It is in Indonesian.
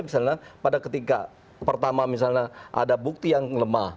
misalnya pada ketika pertama misalnya ada bukti yang lemah